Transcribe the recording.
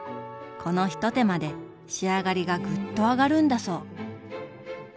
この一手間で仕上がりがグッと上がるんだそう。